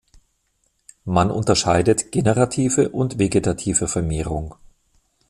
Man unterscheidet generative und vegetative Vermehrung.